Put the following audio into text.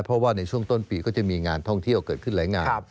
เพราะว่าในช่วงต้นปีก็จะมีงานท่องเที่ยวเกิดขึ้นหลายงาน